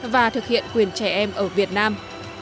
và thực hiện quyền trẻ em ở việt nam